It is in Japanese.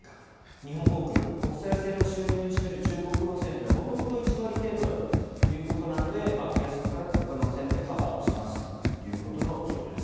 日本航空、国際線の収入に占める中国路線というのは元々１割程度だったということなので増やすことなくほかの路線でカバーしますということのようです。